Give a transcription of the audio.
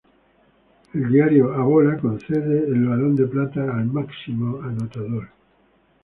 El diario "A Bola" concede el Balón de Plata al máximo anotador.